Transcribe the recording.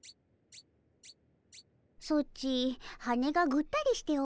ソチ羽がぐったりしておるの。